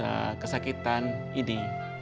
dan terlalu banyak kesakitan ini